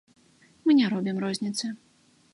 Мы не робім розніцы.